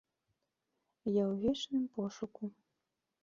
Я ў вечным пошуку.